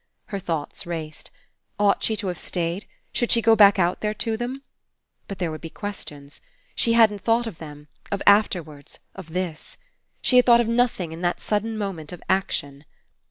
Her thoughts raced. Ought she to have stayed? Should she go back out there to them? But there would be questions. She hadn't thought of them, of afterwards, of this. She had thought of nothing in that sudden moment of action.